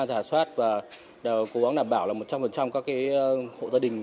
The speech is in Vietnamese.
giả soát và cố gắng đảm bảo là một trăm linh các hộ gia đình